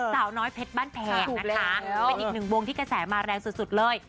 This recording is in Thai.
สาวน้อยเพชรบ้านแพงนะคะเป็นอีกหนึ่งวงที่กระแสมาแรงสุดเลย